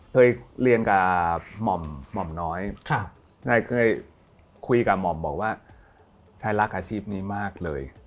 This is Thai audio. เคยเรียนกับหม่อมน้อยชายเคยคุยกับหม่อมบอกว่าชายรักอาชีพนี้มากเลย